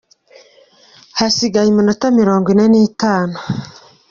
Hasigaye iminota mirongwine n'itanu.